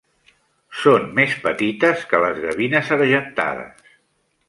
Són més petites que les gavines argentades.